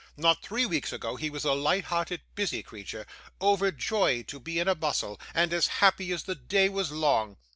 Not three weeks ago, he was a light hearted busy creature, overjoyed to be in a bustle, and as happy as the day was long.